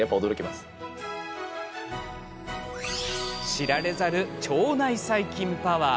知られざる腸内細菌パワー。